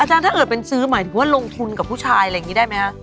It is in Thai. ถ้าเกิดเป็นซื้อหมายถึงว่าลงทุนกับผู้ชายอะไรอย่างนี้ได้ไหมคะ